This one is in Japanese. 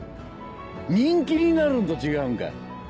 人気になるんと違うんか！